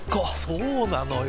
そうなのよ。